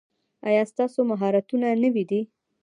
ایا ستاسو مهارتونه نوي دي؟